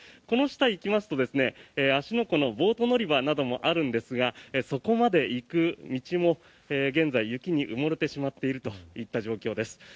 この下に行きますと芦ノ湖のボート乗り場などもあるんですがそこまで行く道も現在、雪に埋もれてしまっているといった状況です。